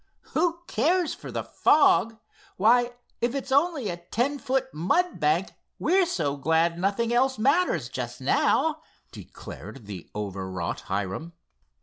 "Who cares for the fog. Why, if it's only a ten foot mud bank we're so glad nothing else matters much just now," declared the overwrought Hiram.